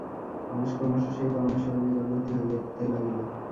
মানুষ ক্রমশ সেই পরমেশ্বরের নিকটবর্তী হইতে লাগিল।